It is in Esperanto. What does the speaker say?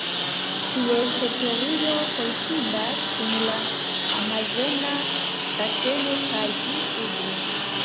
Ties teritorio koincidas kun la Amazona Baseno kaj pli sude.